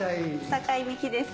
酒井美紀です